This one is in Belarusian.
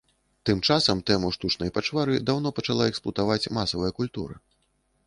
Тым часам тэму штучнай пачвары даўно пачала эксплуатаваць масавая культура.